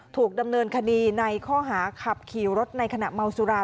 ถูกดำเนินคดีในข้อหาขับขี่รถในขณะเมาสุรา